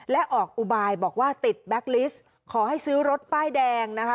และออกอุบายบอกว่าติดแบ็คลิสต์ขอให้ซื้อรถป้ายแดงนะคะ